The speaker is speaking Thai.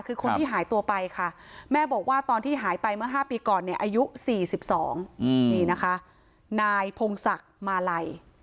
คือคนที่หายตัวไปค่ะแม่บอกว่าตอนที่หายไปเมื่อ๕ปีก่อนเนี่ยอายุ๔๒นี่นะคะนายพงศักดิ์มาลัย